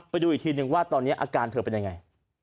ไปดูอีกทีนึงว่าตอนนี้อาการเธอเป็นยังไง